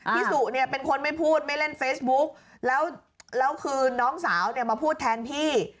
สุเนี่ยเป็นคนไม่พูดไม่เล่นเฟซบุ๊กแล้วคือน้องสาวเนี่ยมาพูดแทนพี่